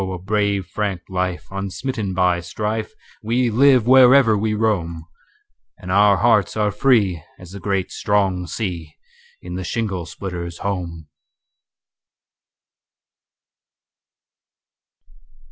a brave frank life, unsmitten by strife, We live wherever we roam, And our hearts are free as the great strong sea, In the shingle splitter's home.